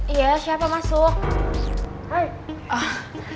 iya siapa masuk